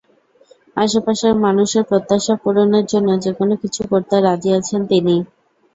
আশপাশের মানুষের প্রত্যাশা পূরণের জন্য যেকোনো কিছু করতে রাজি আছেন তিনি।